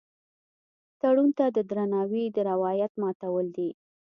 تړون ته د درناوي د روایت ماتول دي.